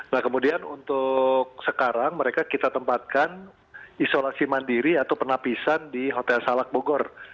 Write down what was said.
nah kemudian untuk sekarang mereka kita tempatkan isolasi mandiri atau penapisan di hotel salak bogor